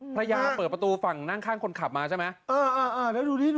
ภรรยาเปิดประตูฝั่งนั่งข้างคนขับมาใช่ไหม